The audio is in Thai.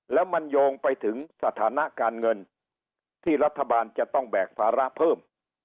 แล้วมันโยงไปถึงสถานะการเงินที่รัฐบาลจะต้องแบกภาระเพิ่ม